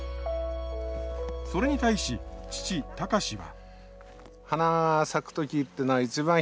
それに対し父峯は。